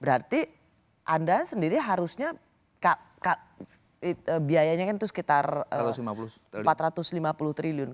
berarti anda sendiri harusnya biayanya kan itu sekitar empat ratus lima puluh triliun